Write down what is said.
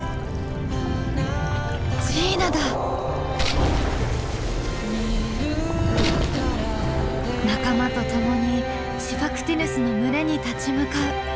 仲間と共にシファクティヌスの群れに立ち向かう。